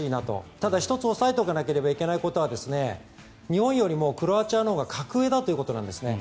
ただ、１つ押さえておかなければいけないことは日本よりもクロアチアのほうが格上だということなんですね。